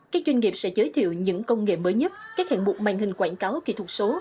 các doanh nghiệp sẽ giới thiệu những công nghệ mới nhất các hạng mục màn hình quảng cáo kỹ thuật số